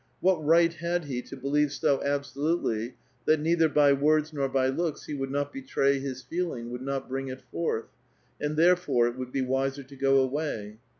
What right had he to believe so alwolutely that neither by words nor by looks he would not betray his feeling, would not bring it forth ? And tlierefore it would be wiser to go away.